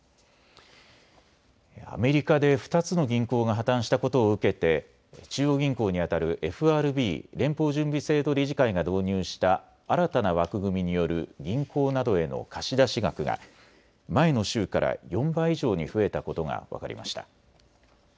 アメリカで２つの銀行が破綻したことを受けて中央銀行にあたるＦＲＢ・連邦準備制度理事会が導入した新たな枠組みによる銀行などへの貸出額が前の週から４倍以上に増えたことが分かりました。